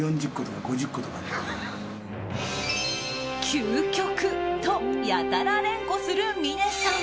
究極とやたら連呼する峰さん。